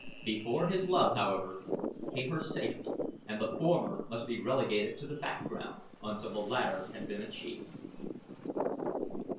Before his love, however, came her safety and the former must be relegated to the background until the latter had been achieved.